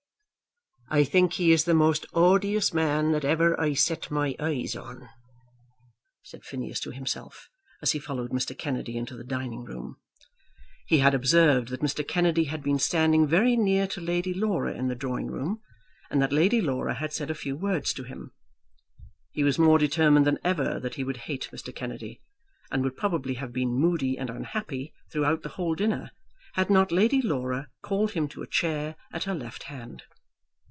"I think he is the most odious man that ever I set my eyes on," said Phineas to himself as he followed Mr. Kennedy into the dining room. He had observed that Mr. Kennedy had been standing very near to Lady Laura in the drawing room, and that Lady Laura had said a few words to him. He was more determined than ever that he would hate Mr. Kennedy, and would probably have been moody and unhappy throughout the whole dinner had not Lady Laura called him to a chair at her left hand.